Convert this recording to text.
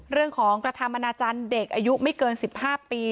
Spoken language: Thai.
เรื่องของกระทามนาจันทร์เด็กอายุไม่เกินสิบห้าปี